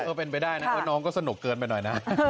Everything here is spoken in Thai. เป็นไปได้นะน้องก็สนุกเกินไปหน่อยนะ